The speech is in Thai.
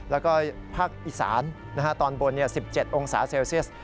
แล้วก็ภาคอีสานตอนบน๑๗องศาเซลเซียส